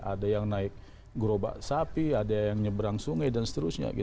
ada yang naik gerobak sapi ada yang nyeberang sungai dan seterusnya